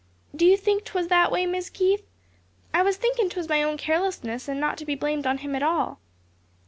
Do you think 'twas that way, Mis' Keith? I was thinkin' 'twas my own carelessness and not to be blamed on Him at all."